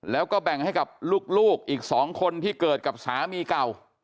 แล้วก็แบ่งให้กับลูกอีก๒คนที่เกิดกับสามีเก่า